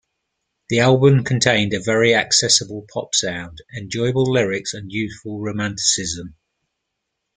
The album contained a very accessible pop sound, enjoyable lyrics, and youthful romanticism.